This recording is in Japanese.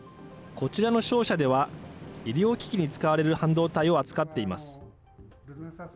こちらの商社では、医療機器に使われる半導体を扱っています。